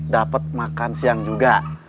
dapet makan siang juga